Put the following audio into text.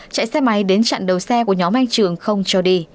chạy xe máy đến chặn đầu xe của nhóm anh trường không cho đi